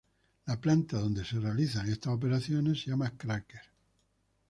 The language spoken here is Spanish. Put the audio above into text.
La planta donde se realizan estas operaciones se llama "cracker".